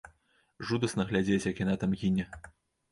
Жудасна глядзець, як яна там гіне.